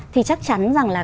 thì chắc chắn rằng là